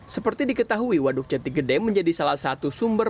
seperti diketahui waduk jati gede menjadi salah satu sumber